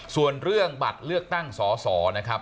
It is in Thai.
ส่วนเรื่องบัตรเลือกตั้งสอสอนะครับ